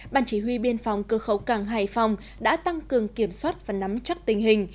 bàn chỉ huy biên phòng cơ khẩu cảng hải phòng đã tăng cường kiểm soát và nắm chắc tình hình